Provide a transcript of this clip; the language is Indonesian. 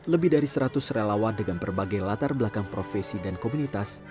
lebih dari seratus relawan dengan berbagai latar belakang profesi dan komunitas